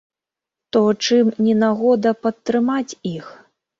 То чым не нагода падтрымаць іх?